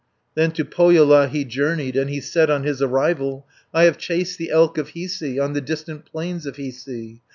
Then to Pohjola he journeyed, And he said on his arrival: "I have chased the elk of Hiisi On the distant plains of Hiisi.